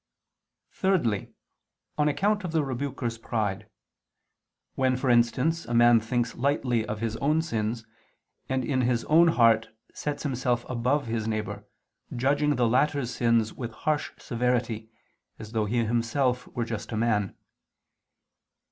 Thirdly, on account of the rebuker's pride; when, for instance, a man thinks lightly of his own sins, and, in his own heart, sets himself above his neighbor, judging the latter's sins with harsh severity, as though he himself were a just man.